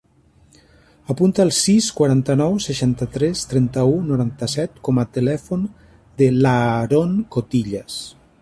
Apunta el sis, quaranta-nou, seixanta-tres, trenta-u, noranta-set com a telèfon de l'Aaron Cotillas.